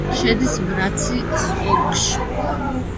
შედის ვრაცის ოლქში.